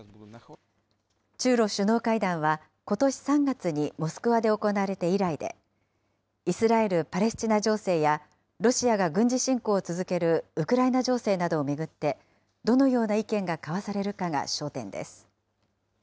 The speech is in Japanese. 中ロ首脳会談は、ことし３月にモスクワで行われて以来で、イスラエル・パレスチナ情勢や、ロシアが軍事侵攻を続けるウクライナ情勢などを巡って、どのような意見が交わされるかが焦点です。